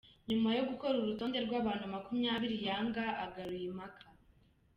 Nyuma yo gukora urutonde rw’abantu makumyabiri yanga agaruye impaka